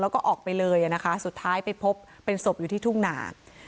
แล้วก็ออกไปเลยนะคะสุดท้ายไปพบเป็นศพอยู่ที่ทุ่งหนา